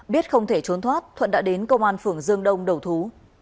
biết không thể trốn thoát thuận đã đến công an phường dương đông đầu thú